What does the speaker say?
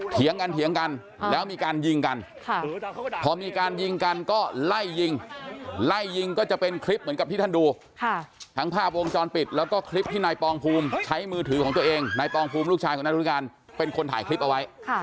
เถียงกันเถียงกันแล้วมีการยิงกันพอมีการยิงกันก็ไล่ยิงไล่ยิงก็จะเป็นคลิปเหมือนกับที่ท่านดูทั้งภาพวงจรปิดแล้วก็คลิปที่นายปองภูมิใช้มือถือของตัวเองนายปองภูมิลูกชายของนายรุการเป็นคนถ่ายคลิปเอาไว้